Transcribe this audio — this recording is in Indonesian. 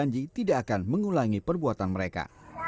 dan berjanji tidak akan mengulangi perbuatan mereka